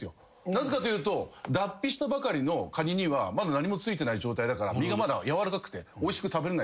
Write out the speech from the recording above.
なぜかというと脱皮したばかりのカニにはまだ何も付いてない状態だから身がまだやわらかくておいしく食べれないんですよ。